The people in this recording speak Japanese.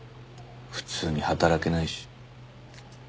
普通に働けないし。